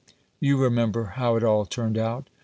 You remember how it all turned out.